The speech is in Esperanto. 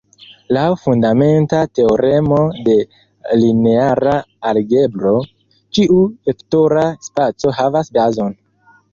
Laŭ fundamenta teoremo de lineara algebro, ĉiu vektora spaco havas bazon.